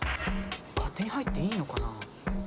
勝手に入っていいのかな？